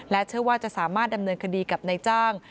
เชื่อว่าจะสามารถดำเนินคดีกับนายจ้าง